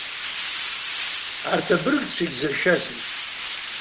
Арҭ абыргцәагьы зыршәазеи!